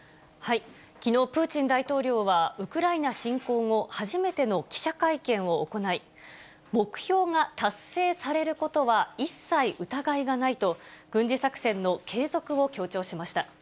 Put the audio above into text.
きのう、プーチン大統領はウクライナ侵攻後、初めての記者会見を行い、目標が達成されることは一切疑いがないと、軍事作戦の継続を強調しました。